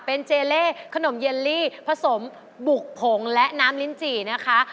เป็นเจเล่ขนมเย็นลี่ผสมบุกผงและน้ำลิ้นจี่นะคะ